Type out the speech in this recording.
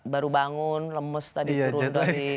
baru bangun lemes tadi turun dari